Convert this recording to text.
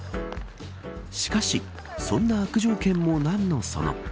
しかしそんな悪条件も何のその。